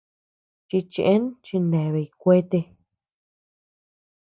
Chichëen chineabay kuete.